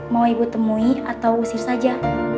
mau ibu temui atau usir saja